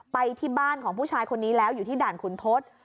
ไปที่บ้านของผู้ชายคนนี้แล้วอยู่ที่ด่านขุนทศ